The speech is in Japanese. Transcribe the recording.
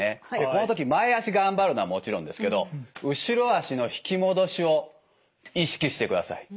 この時前足頑張るのはもちろんですけど後ろ足の引き戻しを意識してください。